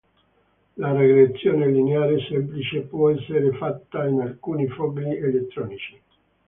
La regressione lineare semplice può essere fatta in alcuni fogli elettronici.